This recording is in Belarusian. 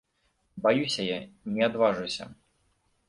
Баюся я, не адважуся.